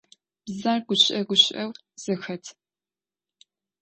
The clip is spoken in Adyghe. Бзэр гущыӏэ гущыӏэу зэхэт.